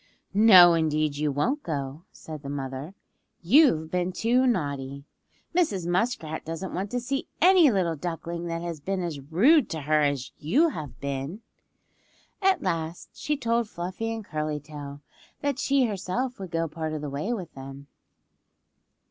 "No indeed you won't go," said the mother. "You've been too naughty. Mrs. Muskrat doesn't want to see any little duckling that has been as rude to her as you have been." At last she told Fluffy and Curly Tail that she herself would go part of the way with them.